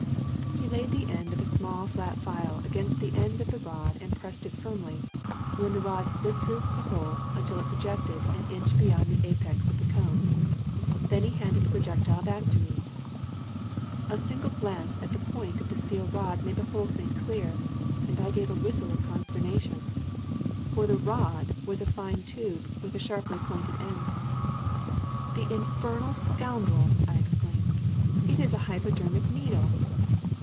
He laid the end of a small flat file against the end of the rod and pressed it firmly, when the rod slid through the hole until it projected an inch beyond the apex of the cone. Then he handed the projectile back to me. A single glance at the point of the steel rod made the whole thing clear, and I gave a whistle of consternation; for the "rod" was a fine tube with a sharply pointed end. "The infernal scoundrel!" I exclaimed; "it is a hypodermic needle."